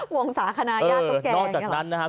ผู้สาขนาย่านตุ๊กแก่